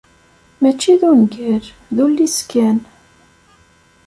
Mačči d ungal, d ullis kan.